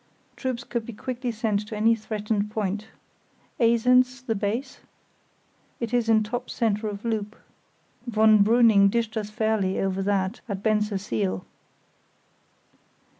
Troops could be quickly sent to any threatened point. Esens the base? It is in top centre of loop. Von Brooning dished us fairly over that at Bensersiel.